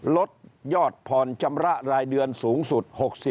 ลดยอดผ่อนชำระรายเดือนสูงสุด๖๐